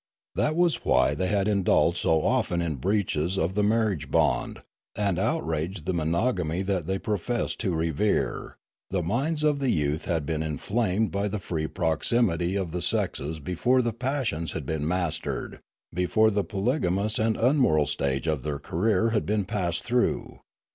That was why they had indulged so often in breaches of the marriage bond, and outraged the monogamy that they professed to revere; the minds of the youth had 48 Limanora been inflamed by the free proximity of the sexes before the passions had been mastered, before the polygamous and unmoral stage of their career had been passed through.